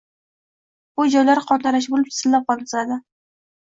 Bu joylari qontalash bo‘lib, chizillab qon sizildi.